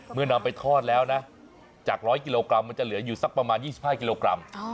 นำไปทอดแล้วนะจาก๑๐๐กิโลกรัมมันจะเหลืออยู่สักประมาณ๒๕กิโลกรัม